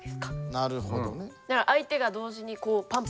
なるほどね。